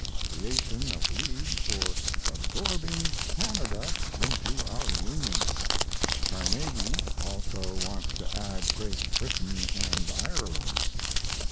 Creation of league for absorbing Canada into our Union. Carnegie also wants to add Great Britain & Ireland.